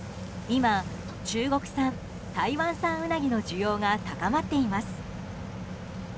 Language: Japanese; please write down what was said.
今、中国産、台湾産ウナギの需要が高まっています。